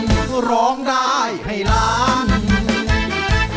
สวัสดีครับ